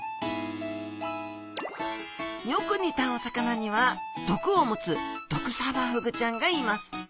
よく似たお魚には毒を持つドクサバフグちゃんがいます。